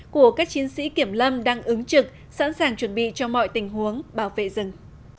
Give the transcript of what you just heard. của các chiến sĩ kiểm lâm đang ứng trực sẵn sàng chuẩn bị cho mọi tình huống bảo vệ rừng